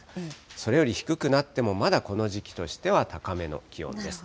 それより低くなってもまだこの時期としては高めの気温です。